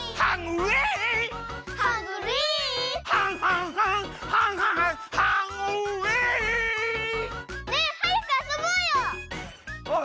ねえはやくあそぼうよ！